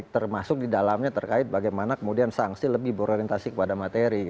termasuk di dalamnya terkait bagaimana kemudian sanksi lebih berorientasi kepada materi